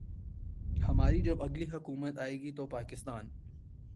ہماری جب اگلی حکومت آئے گی تو پاکستان